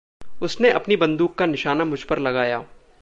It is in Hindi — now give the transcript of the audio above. उसने अपनी बंदूक का निशाना मुझपर लगाया।